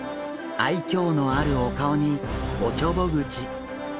愛嬌のあるお顔におちょぼ口。